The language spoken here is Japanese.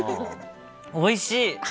おいしい。